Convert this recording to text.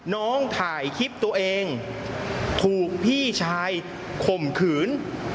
น้องถ่ายคลิปตัวเองถูกพี่ชายข่มขืน